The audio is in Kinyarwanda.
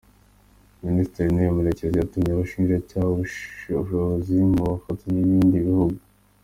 Minisitiri w’intebe Murekezi yatumye abashinjacyaha ubushishozi mu bufatanye n’ibindi bihugu.